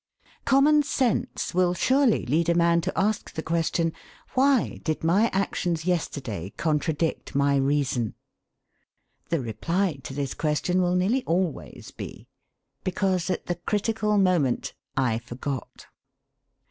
Common sense will surely lead a man to ask the question: 'Why did my actions yesterday contradict my reason?' The reply to this question will nearly always be: 'Because at the critical moment I forgot.'